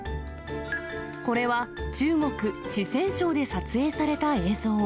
これは、中国・四川省で撮影された映像。